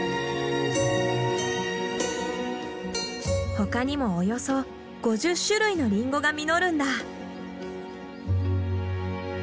他にもおよそ５０種類のリンゴが実るんだ。